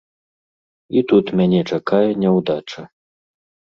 І тут мяне чакае няўдача.